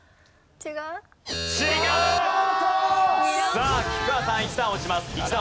さあ菊川さん１段落ちます。